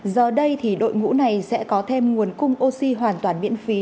giờ đây thì đội ngũ này sẽ có thêm nguồn cung oxy hoàn toàn miễn phí